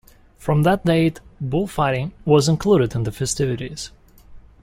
From that date bullfighting was included in the festivities.